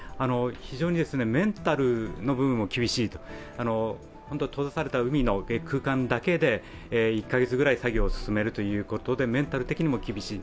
非常にメンタルの部分も厳しいと、閉ざされた海の空間だけで１カ月ぐらい作業を進めるということでメンタル的にも厳しい。